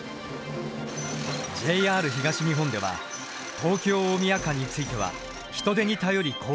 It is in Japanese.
ＪＲ東日本では東京大宮間については人手に頼り交換を行った。